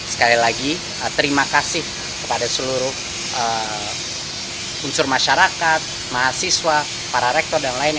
sekali lagi terima kasih kepada seluruh unsur masyarakat mahasiswa para rektor dan lainnya